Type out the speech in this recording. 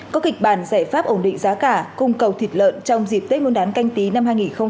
có kịch bản giải pháp ổn định giá cả cung cầu thịt lợn trong dịp tết nguyên đán canh tí năm hai nghìn hai mươi